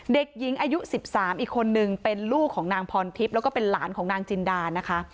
เด็กหญิงอายุ๑๓อีกคนนึงเป็นลูกของนางพรทิพย์แล้วก็เป็นหลานของนางจินดานะคะ